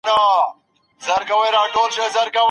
مشاورین به د جګړې مخه ونیسي.